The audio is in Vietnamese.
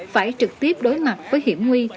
phải trực tiếp đối mặt với hiểm nguy